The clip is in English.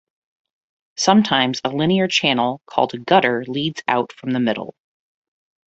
Sometimes a linear channel called a gutter leads out from the middle.